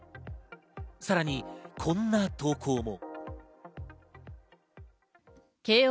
さらにこんな投稿も。